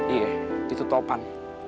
iya itu topan